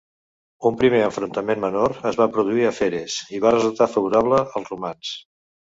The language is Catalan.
Un primer enfrontament menor es va produir a Feres, i va resultar favorable als romans.